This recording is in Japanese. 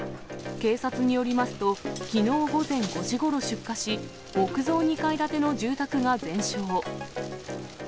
警察によりますと、きのう午前５時ごろ、出火し、木造２階建ての住宅が全焼。